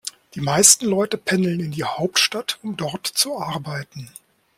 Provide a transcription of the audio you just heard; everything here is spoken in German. Die meisten Leute pendeln in die Hauptstadt, um dort zu arbeiten.